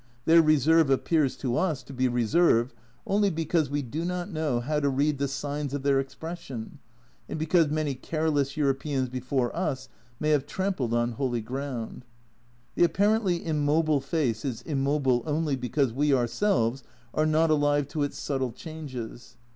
Their reserve appears to us to be reserve only because we do not know how to read the signs of their expression, and because many careless Europeans before us may have trampled on holy ground. The apparently immobile face is immobile only because we ourselves are not alive to its subtle changes.